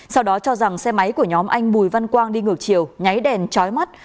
sau đó cho rằng xe máy của nhóm anh bùi văn quang đi ngược chiều nháy đèn trói mắt